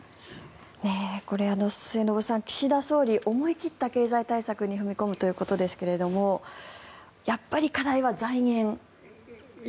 末延さん、岸田総理思い切った経済対策に踏み込むということですがやっぱり課題は財源ですよね。